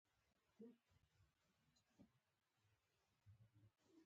زه نه پوهېدم چې امنيت والا به اجازه ورکړي که يه.